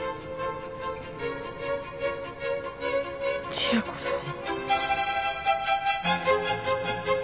千夜子さん？